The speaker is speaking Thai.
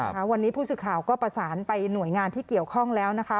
ค่ะวันนี้ผู้สื่อข่าวก็ประสานไปหน่วยงานที่เกี่ยวข้องแล้วนะคะ